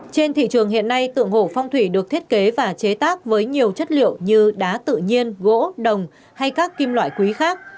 trên thị trường hiện nay tượng hổ phong thủy được thiết kế và chế tác với nhiều chất liệu như đá tự nhiên gỗ đồng hay các kim loại quý khác